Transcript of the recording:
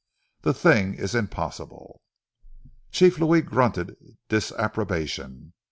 The thing is impossible!" Chief Louis grunted disapprobation.